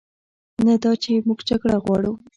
نه دا چې موږ جګړه غواړو،